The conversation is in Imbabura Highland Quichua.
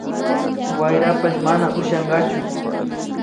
Wayrapash mana ushankachu